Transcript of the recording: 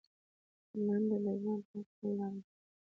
منډه د ژوند پوره کولو لاره ده